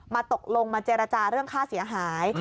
ตกลงมาเจรจาเรื่องค่าเสียหาย